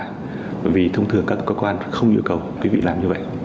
bởi vì thông thường các cơ quan không yêu cầu quý vị làm như vậy